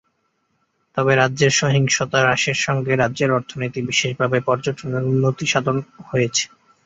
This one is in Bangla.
তবে, রাজ্যের সহিংসতা হ্রাসের সঙ্গে রাজ্যের অর্থনীতি বিশেষভাবে পর্যটনের উন্নতি সাধন হয়েছে।